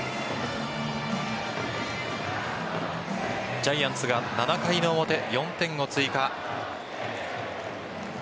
ジャイアンツが７回の表４点を追加。